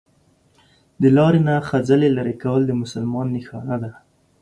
دا لار نه خځلي لري کول د مسلمان نښانه ده